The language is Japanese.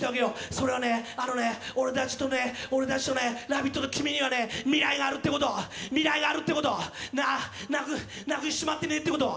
それはね、あのね、俺たちとね、俺たちとね、「ラヴィット！」の君には未来があるってこと、なくしちまってねぇってこと。